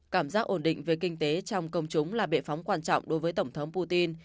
cảm giác ổn định về kinh tế trong công chúng là bệ phóng quan trọng đối với tổng thống putin